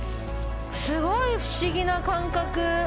すごい不思議な感覚。